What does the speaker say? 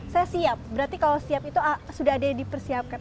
berarti kalau siap itu sudah ada yang dipersiapkan